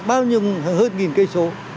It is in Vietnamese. bao nhiêu hơn nghìn cây số